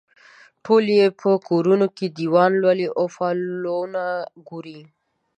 ټول یې په کورونو کې دیوان لولي او فالونه ګوري.